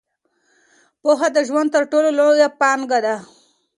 پوهه د ژوند تر ټولو لویه پانګه ده.